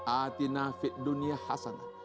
atina fit dunia hasana